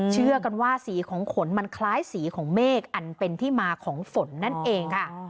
เชื่อกันว่าสีของขนมันคล้ายสีของเมฆอันเป็นที่มาของฝนนั่นเองค่ะ